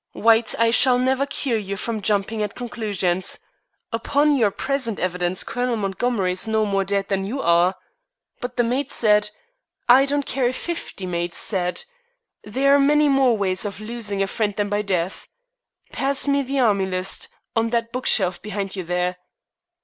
"White, I shall never cure you from jumping at conclusions. Upon your present evidence Colonel Montgomery is no more dead than you are." "But the maid said " "I don't care if fifty maids said. There are many more ways of 'losing' a friend than by death. Pass me the Army List, on that bookshelf behind you there."